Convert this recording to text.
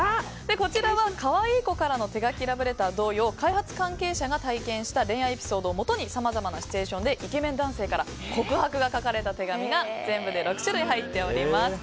こちらは、かわいい子からの手書きラブレター同様開発関係者が体験した恋愛エピソードをもとにさまざまなシチュエーションでイケメン男性から告白が書かれた手紙が全部で６種類入っております。